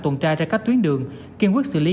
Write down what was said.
tuần tra ra các tuyến đường kiên quyết xử lý